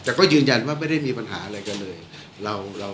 แต่ก็ยืนยันว่าไม่ได้มีปัญหาอะไรกันเลย